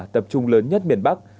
tập trung lớn nhất miền bắc